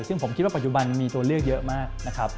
ซึ่งผมคิดว่าปัจจุบันมีตัวเลือกเยอะมากนะครับ